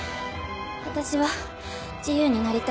私は自由になりたいの。